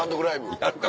やるか